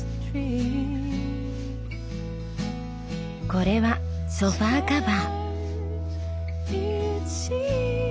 これはソファーカバー。